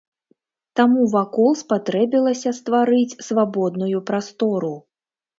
Таму вакол спатрэбілася стварыць свабодную прастору.